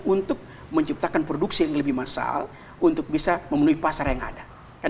untuk menciptakan produksi yang lebih massal untuk bisa memenuhi pasar yang ada